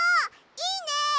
いいね！